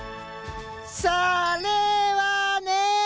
それはね。